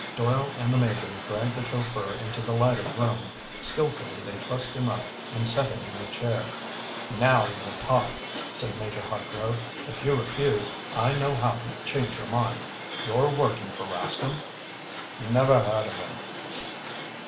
Doyle and the Major dragged the chauffeur into the lighted room. Skilfully they trussed him up and set him in a chair. "Now you'll talk," said Major Hartgrove. "If you refuse, I know how to change your mind! You're working for Rascomb?" "Never heard of him."